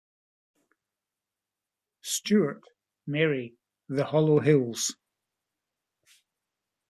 Stewart, Mary "The Hollow Hills"